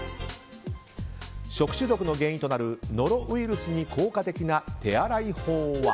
食中毒の原因となるノロウイルスに効果的な手洗い法は？